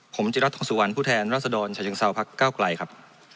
ผมจิรัตน์ทองสุวรรณผู้แทนรัศดรชายจังเศร้าภักดิ์เกล้าไกลครับ